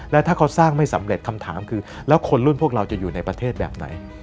แล้วถ้าเขาสร้างไม่สำเร็จคำถามคือแล้วคนรุ่นพวกเราจะอยู่ในประเทศแบบไหน